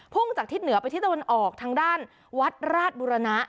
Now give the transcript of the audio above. ่งจากทิศเหนือไปที่ตะวันออกทางด้านวัดราชบุรณะ